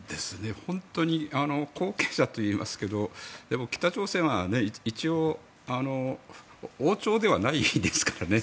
本当に、後継者といいますけど北朝鮮は一応、王朝ではないですからね。